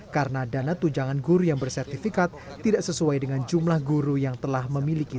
karena dana tunjangan guru yang bersertifikat tidak sesuai dengan jumlah guru yang telah memiliki